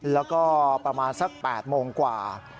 แล้วก็ประมาณสัก๘โมงกว่า